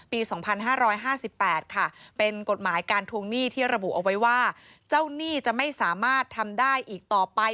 ปี๒๕๕๘ค่ะเป็นกฎหมายการทวงหนี้ที่ระบุเอาไว้ว่าเจ้าหนี้จะไม่สามารถทำได้อีกต่อไป